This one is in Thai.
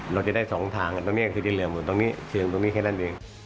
เราจะได้สองทางตรงนี้ก็คือเรือหมู่ตรงนี้เดริมตรงนี้แค่นั้นเปลี่ยง